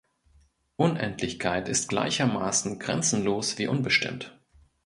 Unendlichkeit ist gleichermaßen grenzenlos wie unbestimmt.